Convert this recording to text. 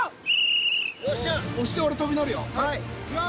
押して俺飛び乗るよ。いきます。